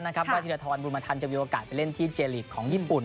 ว่าธีรธรบุรมธรรมจะเวียวกาสไปเล่นที่เจลอีกของญี่ปุ่น